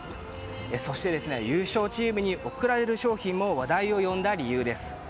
そして、優勝チームに贈られる商品も話題を呼んだ理由です。